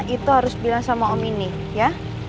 itu harus bilang sama om ini ya